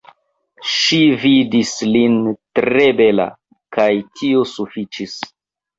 Ŝi vidis lin tre bela, kaj tio sufiĉis.